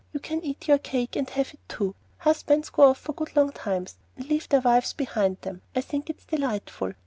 You can eat your cake, and have it too. Husbands go off for good long times, and leave their wives behind them. I think it's delightful!"